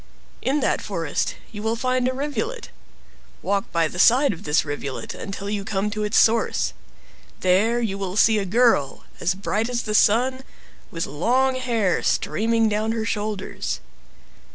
In that forest you will find a rivulet. Walk by the side of this rivulet until you come to its source; there you will see a girl, as bright as the sun, with long hair streaming down her shoulders.